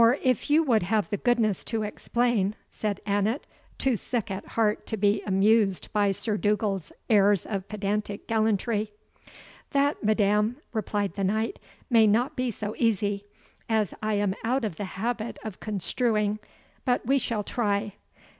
"If you would have the goodness to explain," said Annot, too sick at heart to be amused by Sir Dugald's airs of pedantic gallantry. "That, madam," replied the Knight, "may not be so easy, as I am out of the habit of construing but we shall try.